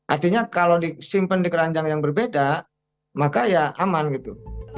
artinya kalau disimpan di keranjang yang berbeda maka ya aman gitu